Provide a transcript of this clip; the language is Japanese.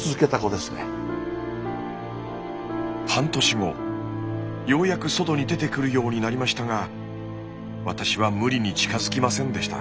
ともかく私が半年後ようやく外に出てくるようになりましたが私は無理に近づきませんでした。